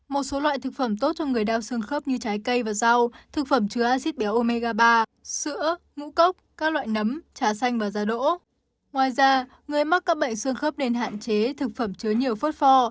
một số loại thực phẩm tốt cho người đau sương khớp như trái cây và rau thực phẩm chứa acid béo omega ba sữa ngũ cốc các loại nấm trà xanh và da đỗ